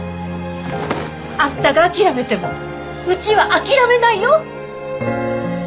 あんたが諦めてもうちは諦めないよ！